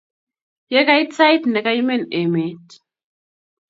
Ye kait sait ne kaimen emet